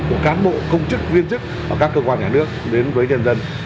của các cán bộ công chức viên chức các cơ quan nhà nước đến với nhân dân